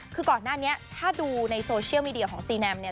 คือก่อนหน้านี้ถ้าดูในโซเชียลมีเดียของซีแนมเนี่ย